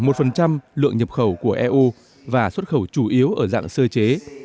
một lượng nhập khẩu của eu và xuất khẩu chủ yếu ở dạng sơ chế